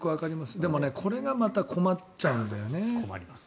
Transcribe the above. でもこれがまた困っちゃうんだよね。